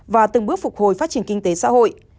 và từng bước phục hồi phát triển kinh tế xã hội